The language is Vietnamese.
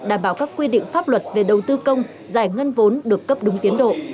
đảm bảo các quy định pháp luật về đầu tư công giải ngân vốn được cấp đúng tiến độ